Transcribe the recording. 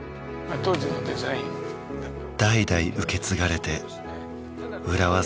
当時のデザインだと代々受け継がれてうらわ